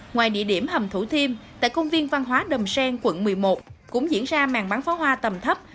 ngoài địa điểm hầm thủ thiêm tại công viên văn hóa đầm sen quận một mươi một cũng diễn ra màn bắn pháo hoa tầm thấp